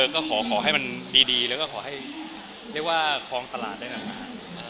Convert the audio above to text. ก็ขอให้มันดีแล้วก็ขอให้เข้าของตลาดได้ขนาดนี้